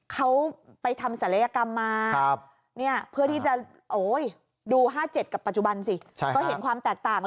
เขาไปทำศัลยกรรมมาเพื่อที่จะดู๕๗กับปัจจุบันสิก็เห็นความแตกต่าง